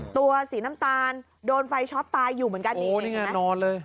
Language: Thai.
ตัวสีน้ำตาลโดนไฟช็อตตายอยู่เหมือนกันนี่โอ้นี่ไงนอนเลย